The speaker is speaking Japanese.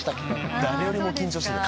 誰よりも緊張してた。